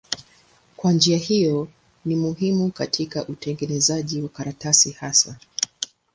Kwa njia hiyo ni muhimu katika utengenezaji wa karatasi hasa.